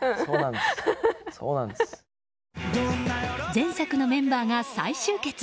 前作のメンバーが再集結。